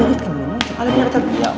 paling tidak ada yang mau